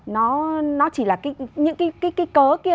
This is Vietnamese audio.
nó chỉ là những cái cớ kia